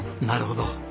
なるほど。